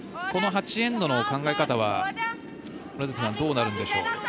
この８エンドの考え方は両角さん、どうなるんでしょう。